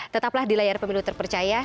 tetaplah di layar pemilu terpercaya